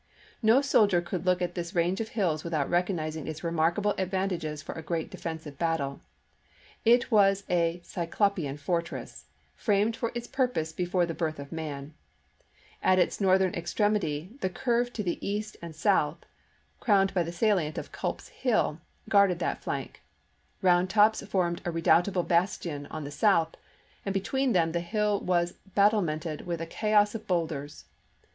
No soldier could look at this range of hills without recognizing its remarkable advantages for a great defensive battle; it was a cyclopean fortress, framed for its purpose before the birth of mam At its northern extremity, the curve to the east and 238 ABRAHAM LINCOLN chap. ix. south, crowned by the salient of Culp's Hill, guarded that flank ; the Round Tops formed a redoubtable bastion on the south, and between them the hill was battlemented with a chaos of boulders.